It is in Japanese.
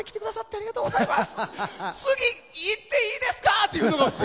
ありがとうございます。